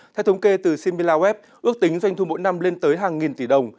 theo thống kê từ similawest ước tính doanh thu mỗi năm lên tới hàng nghìn tỷ đồng